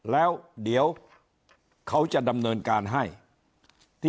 แล้วเดี๋ยวเขาจะดำเนินการให้ที่